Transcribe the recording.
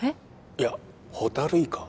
いやホタルイカ？